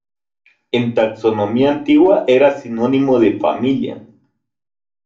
En taxonomía antigua era sinónimo de familia.